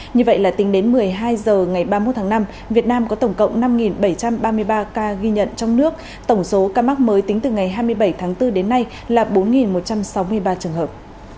như vậy là tính đến một mươi hai h ngày ba mươi một tháng năm việt nam có tổng cộng năm bảy trăm ba mươi ba ca ghi nhận trong nước tổng số ca mắc mới tính từ ngày hai mươi bảy tháng bốn đến nay là bốn một trăm sáu mươi ba trường hợp